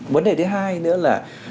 vấn đề thứ hai nữa là